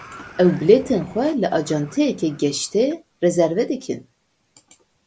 Ew, bilêtên xwe li acenteyeke geştê rezerve dikin?